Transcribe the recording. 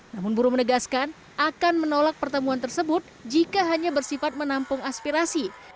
namun buruh menegaskan akan menolak pertemuan tersebut jika hanya bersifat menampung aspirasi